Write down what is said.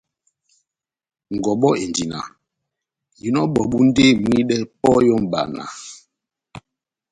Ngɔbɔ endi náh: Inɔ ebɔbu ndi eyomwidɛ pɔhɛ ó mbana